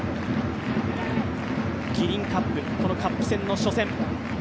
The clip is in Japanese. キリンカップ、このカップ戦の初戦。